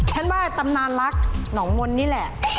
ฉันว่าตำนานรักหนองมนต์นี่แหละ